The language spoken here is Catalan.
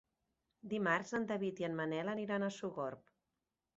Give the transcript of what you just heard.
Dimarts en David i en Manel aniran a Sogorb.